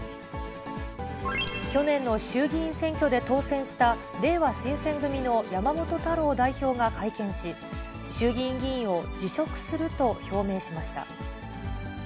去年の衆議院選挙で当選した、れいわ新選組の山本太郎代表が会見し、衆議院議員を辞職すると表明しました。